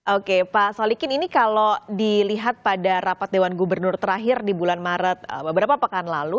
oke pak saliqin ini kalau dilihat pada rapat dewan gubernur terakhir di bulan maret beberapa pekan lalu